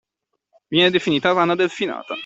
Viene definita “rana delfinata”